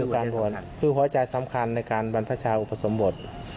ก็คือหัวใจสำคัญในการบรรพชาอุปสรมบวช